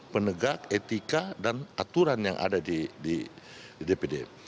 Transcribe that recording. penegak etika dan aturan yang ada di dpd